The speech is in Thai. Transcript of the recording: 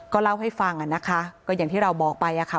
ก็เล่าให้ฟังอ่ะนะคะก็อย่างที่เราบอกไปอะค่ะ